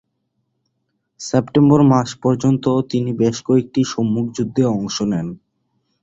September মাস পর্যন্ত তিনি বেশ কয়েকটি সম্মুখ যুদ্ধে অংশ নেন।